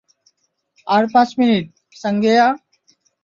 আর পাঁচ মিনিট, সাঙ্গেয়া।